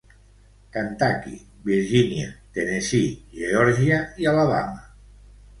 Kentucky, Virgínia, Tennessee, Geòrgia i Alabama.